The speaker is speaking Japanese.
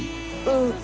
うん。